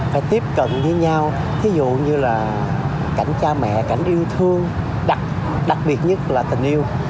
phải tiếp cận với nhau thí dụ như là cảnh cha mẹ cảnh yêu thương đặc biệt nhất là tình yêu